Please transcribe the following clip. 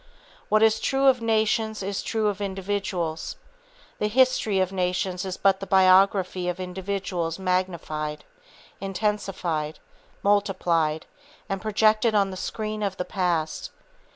What is true of nations is true of individuals. The history of nations is but the biography of individuals magnified, intensified, multiplied, and projected on the screen of the past.